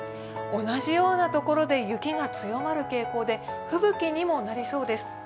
同じような所で雪が強まる傾向で雪吹にもなりそうです。